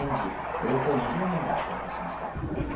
およそ２０人が参加しました。